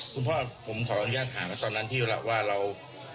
คุณพ่อผมขออนุญาตถามตอนนั้นพี่ล่ะว่าเรา